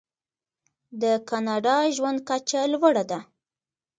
د کاناډا ژوند کچه لوړه ده.